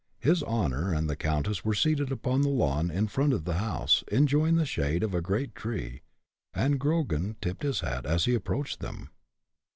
His honor and the countess were seated upon the lawn in front of the house, enjoying the shade of a great tree, and Grogan tipped his hat as he approached them.